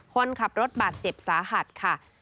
คนขับรถบาดเจ็บสาหัสค่ะ